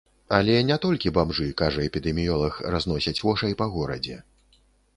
Але не толькі бамжы, кажа эпідэміёлаг, разносяць вошай па горадзе.